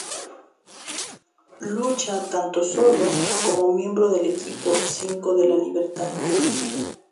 Lucha tanto solo, como miembro del equipo Cinco de la Libertad.